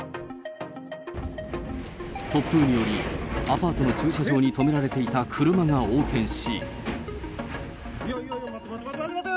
突風により、アパートの駐車場に止められていた車が横転し。